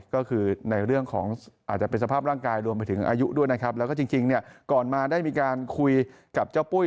ก็คือในเรื่องของอาจจะเป็นสภาพร่างกายรวมไปถึงอายุด้วยนะครับแล้วก็จริงเนี่ยก่อนมาได้มีการคุยกับเจ้าปุ้ย